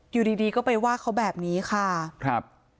อยู่ดีก็ไปว่าเขาแบบนี้ค่ะ